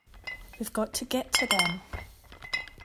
We've got to get to them!